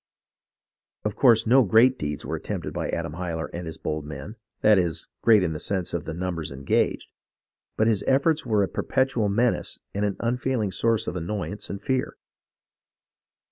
Of course no great deeds were attempted by Adam Hyler and his bold men, that is, great in the sense of the numbers engaged, but his efforts were a perpetual menace and an unfailing source of annoyance and fear.